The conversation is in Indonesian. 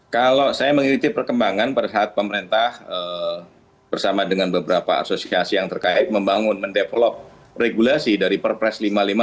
kalau saya mengikuti perkembangan pada saat pemerintah bersama dengan beberapa asosiasi yang terkait membangun mendevelop regulasi dari perpres lima puluh lima